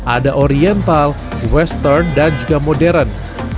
ada oriental western dan juga modern